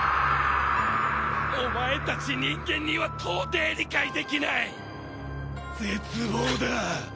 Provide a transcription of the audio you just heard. お前たち人間には到底理解できない絶望だ。